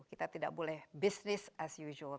kita tidak boleh business as usual